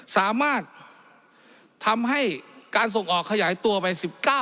สามารถทำให้การส่งออกขยายตัวไป๑๙